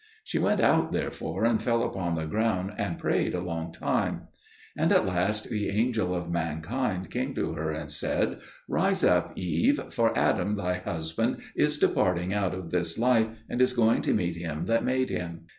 She went out therefore and fell upon the ground and prayed a long time. THE DEATH OF ADAM AND EVE And at last the Angel of Mankind came to her and said, "Rise up, Eve; for Adam thy husband is departing out of this life, and is going to meet Him that made him."